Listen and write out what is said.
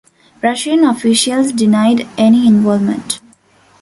Russian officials denied any involvement.